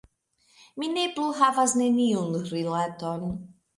Mi ne plu havas neniun rilaton.